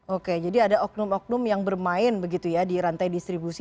oke jadi ada oknum oknum yang bermain begitu ya di rantai distribusi